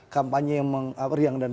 kampanye yang riang dan